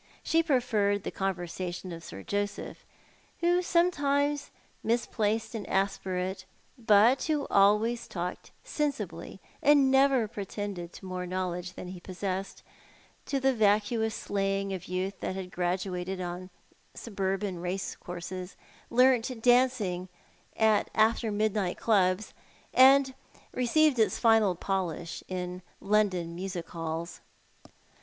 She preferred the conversation of Sir Joseph, who sometimes misplaced an aspirate, but who always talked sensibly, and never pretended to more knowledge than he possessed, to the vacuous slang of youth that had graduated on suburban racecourses, learnt dancing at after midnight clubs, and received its final polish in London music halls.